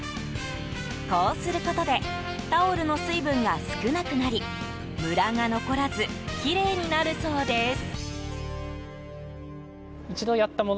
こうすることでタオルの水分が少なくなりムラが残らずきれいになるそうです。